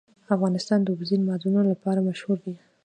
افغانستان د اوبزین معدنونه لپاره مشهور دی.